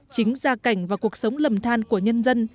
chính gia cảnh và cuộc sống lầm than của nhân dân